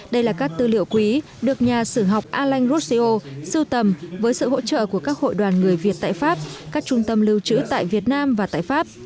đây là các tư liệu quý được nhà sử học alain gossio sưu tầm với sự hỗ trợ của các hội đoàn người việt tại pháp các trung tâm lưu trữ tại việt nam và tại pháp